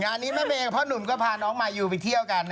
นี้แม่เมย์กับพ่อหนุ่มก็พาน้องมายูไปเที่ยวกัน